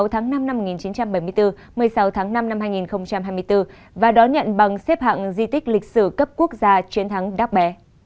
một mươi tháng năm năm một nghìn chín trăm bảy mươi bốn một mươi sáu tháng năm năm hai nghìn hai mươi bốn và đón nhận bằng xếp hạng di tích lịch sử cấp quốc gia chiến thắng đắt bé